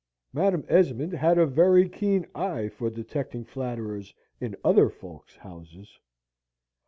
Madam Esmond had a very keen eye for detecting flatterers in other folks' houses.